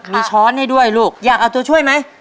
มีช้อนให้ด้วยลูกอยากเอาตัวช่วยไหม